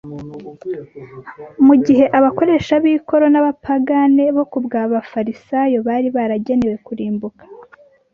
mu gihe abakoresha b' ikoro n' abapagane bo kubw'abafarisayo bari baragenewe kurimbuka